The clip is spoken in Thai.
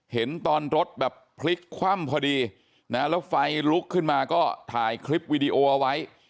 เห็นตอนรถแบบพลิกคว่ำพอดีนะแล้วไฟลุกขึ้นมาก็ถ่ายคลิปวิดีโอเอาไว้